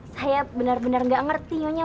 saya bener bener gak ngerti nyonya